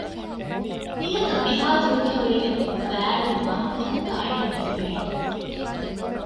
މީހަކަށް އެހާ ދުރުގައި ހުރެގެން ވައިއަޑުން ވާހަކަ ދައްކާ އަޑެއް ނީވޭނެ